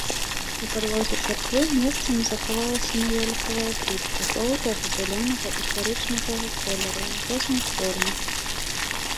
У падлозе царквы месцамі захавалася маёлікавая плітка жоўтага, зялёнага і карычневага колераў рознай формы.